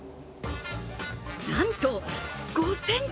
なんと５ｃｍ。